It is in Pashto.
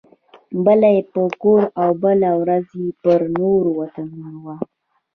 بله یې پر کور او بله ورځ یې پر نورو وطنونو وه.